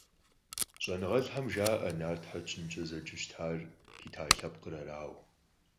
Щӏэныгъэлӏхэм жаӏэ Нартхэр чынткӏэ зэджэу щытар Китай лъэпкъыр арауэ.